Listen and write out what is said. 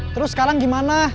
terus sekarang gimana